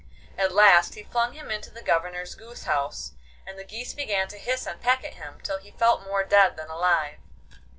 At last he flung him into the Governor's goose house, and the geese began to hiss and peck at him, till he felt more dead than alive.